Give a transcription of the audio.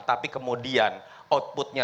tapi kemudian outputnya